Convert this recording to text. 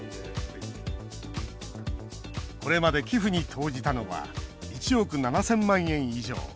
これまで寄付に投じたのは１億７０００万円以上。